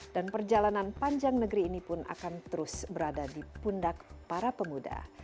dan perjalanan panjang negeri ini pun akan terus berada di pundak para pemuda